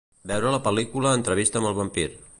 Veure la pel·lícula "Entrevista amb el vampir".